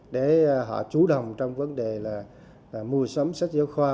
để họ chú đồng trong vấn đề là mua sống sách giáo khoa